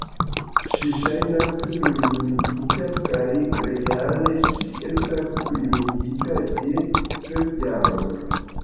Ŝi ŝajnas plijunigita; kaj reale ŝi estas plijunigita je ses jaroj.